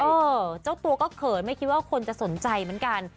เออเจ้าตัวก็เขินไม่คิดว่าคนจะสนใจเหมือนกัน